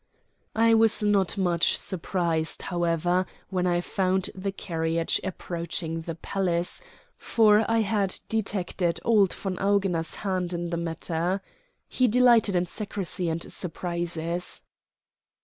I was not much surprised, however, when I found the carriage approaching the palace, for I had detected old von Augener's hand in the matter. He delighted in secrecy and surprises.